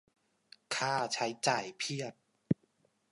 ค่าใช้จ่ายเพียบ